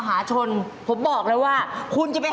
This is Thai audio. มันจะมีรอยฟันใช่ไหม